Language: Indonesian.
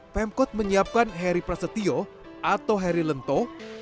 pemkot menyiapkan heri prasetyo atau heri lento